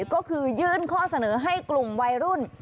ก็คือยื่นข้อเสนอให้กลุ่มวัยรุ่น